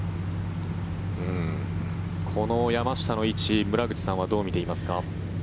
この山下の位置村口さんはどう見ていますか？